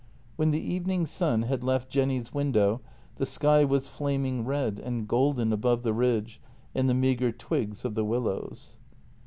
When the evening sun had left Jenny's window the sky was flaming red and golden above the ridge and the meagre twigs of the willows.